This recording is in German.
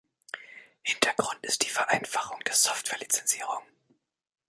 Hintergrund ist die Vereinfachung der Software-Lizenzierung.